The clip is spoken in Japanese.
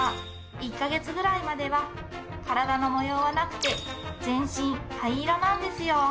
１カ月ぐらいまでは体の模様はなくて全身灰色なんですよ